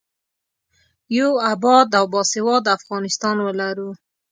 یو اباد او باسواده افغانستان ولرو.